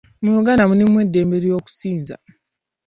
Mu Uganda mulimu eddembe ly'okusinza.